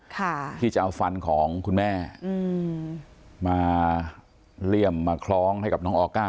ค่ะที่จะเอาฟันของคุณแม่อืมมาเลี่ยมมาคล้องให้กับน้องออก้า